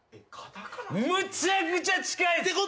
むちゃくちゃ近い。